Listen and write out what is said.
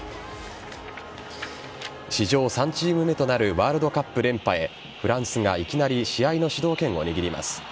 史上３チーム目となるワールドカップ連覇へフランスがいきなり試合の主導権を握ります。